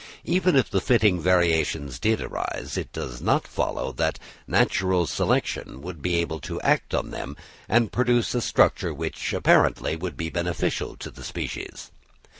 Even if the fitting variations did arise, it does not follow that natural selection would be able to act on them and produce a structure which apparently would be beneficial to the species.